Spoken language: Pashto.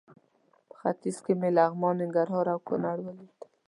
په ختیځ کې مې لغمان، ننګرهار او کونړ ولیدل.